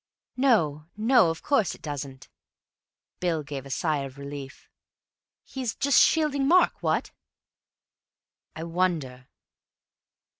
"No. No, of course it doesn't." Bill gave a sigh of relief. "He's just shielding Mark, what?" "I wonder."